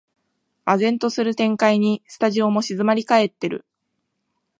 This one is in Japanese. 唖然とする展開にスタジオも静まりかえってる